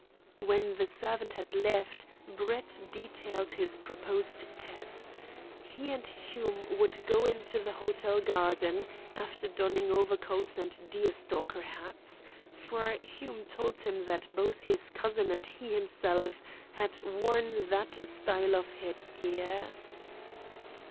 When the servant had left, Brett detailed his proposed test. He and Hume would go into the hotel garden, after donning overcoats and deer stalker hats, for Hume told him that both his cousin and he himself had worn that style of headgear.